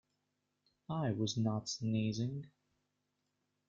I was not sneezing.